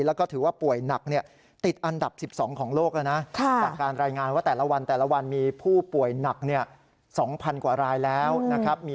แล้วก็ถือว่าป่วยหนักติดอันดับ๑๒ของโลกแล้วนะ